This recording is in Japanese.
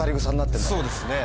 そうですね。